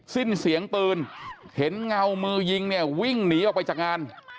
สิ้นเสียงปืนเห็นเงามือยิงเนี่ยวิ่งหนีออกไปจากงาน